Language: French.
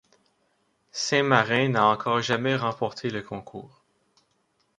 Saint-Marin n'a encore jamais remporté le concours.